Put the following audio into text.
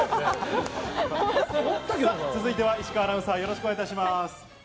続いては石川アナウンサーよろしくお願いします。